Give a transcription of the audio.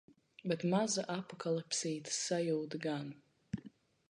Bet maza apokalipsītes sajūta gan.